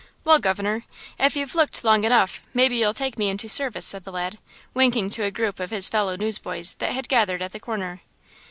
"Well, governor, if you've looked long enough, maybe you'll take me into service," said the lad, winking to a goup of his fellow newsboys that had gathered at the corner.